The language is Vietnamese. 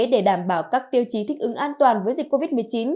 để đảm bảo các tiêu chí thích ứng an toàn với dịch covid một mươi chín